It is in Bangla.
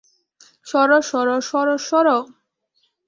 সরো, সরো, সরো, সরো।